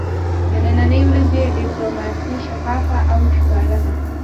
د ننی ورځې ډیپلوماسي شفافه او ښکاره ده